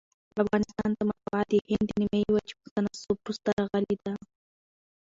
افغانستان ته مطبعه دهند د نیمي وچي په تناسب وروسته راغلې ده.